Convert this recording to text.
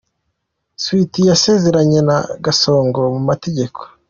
Sweety yasezeranye na Gasongo mu mategeko.